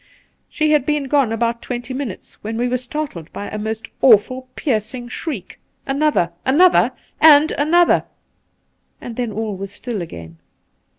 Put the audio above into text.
She had been gone about twenty minutes when we were startled by a most awful piercing shriek — another, another, and another and then all was still again.